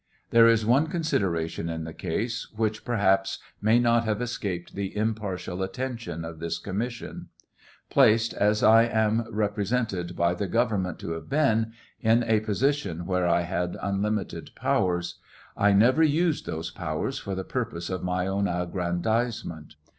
There is one consideration in the case which perhaps may not have escapee the impartial attention of this commission. Placed, as I am represented h} TRIAL OF HENRY WIRZ. 721 the government to have been, in a, position where I had unlimited powers, I never lised those powers for the purpose of my own aggrandizetnent.